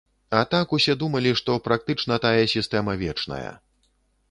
А так усе думалі, што практычна тая сістэма вечная.